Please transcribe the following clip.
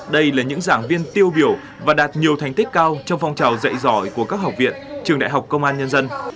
đây là những giảng viên tiêu biểu và đạt nhiều thành tích cao trong phong trào dạy giỏi của các học viện trường đại học công an nhân dân